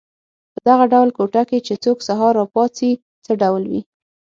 په دغه ډول کوټه کې چې څوک سهار را پاڅي څه ډول وي.